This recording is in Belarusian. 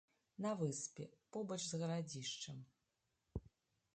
На выспе, побач з гарадзішчам.